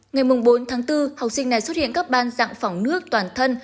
ngày bốn tháng bốn học sinh này xuất hiện các ban dạng phỏng nước toàn thân